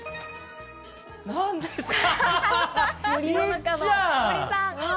何ですか？